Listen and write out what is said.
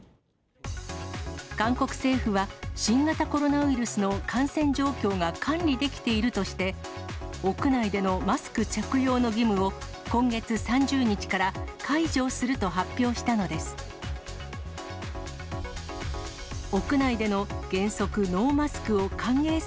韓国政府は、新型コロナウイルスの感染状況が管理できているとして、屋内でのマスク着用の義務を、今月３０日から解除すると発表したのです。